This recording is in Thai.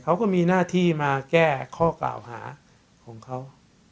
เขาก็มีหน้าที่มาแก้ข้อกล่าวหาของเขา